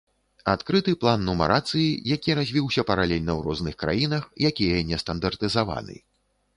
Адкрыты план нумарацыі, які развіўся паралельна ў розных краінах, якія не стандартызаваны.